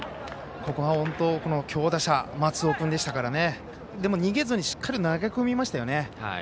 ここは、強打者松尾君でしたからでも逃げずにしっかりと投げ込みましたよね。